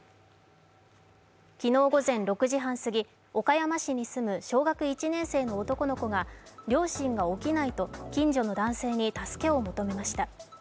昨日午前６時半すぎ、岡山市に住む小学１年生の男の子が両親が起きないと近所の男性に助けを求めました。